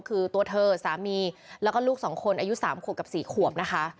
คือตัวเธอสามีแล้วก็ลูก๒คนอายุ๓ขวบกับ๔ขวบนะคะ